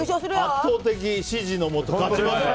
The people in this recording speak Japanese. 圧倒的支持のもと勝ちますよ。